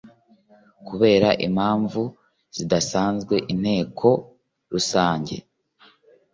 Kubera Impamvu Zidasanzwe Inteko Rusange